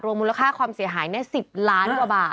มูลค่าความเสียหาย๑๐ล้านกว่าบาท